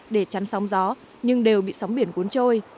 để chắn sóng gió nhưng đều bị sóng biển cuốn trôi